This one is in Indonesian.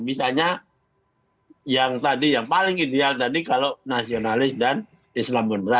misalnya yang tadi yang paling ideal tadi kalau nasionalis dan islam modera